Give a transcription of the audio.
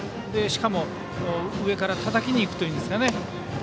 しかも、上からたたきにいくというんですかね。